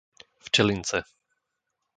Včelince